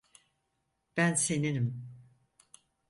Ben seninim.